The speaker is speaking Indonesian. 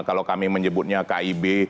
kalau kami menyebutnya kib